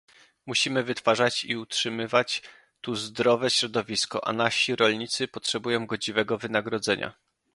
Musimy wytwarzać i utrzymywać tu zdrowe środowisko, a nasi rolnicy potrzebują godziwego wynagrodzenia